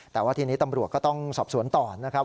แต่ว่าทีนี้ตำรวจก็ต้องสอบสวนต่อนะครับ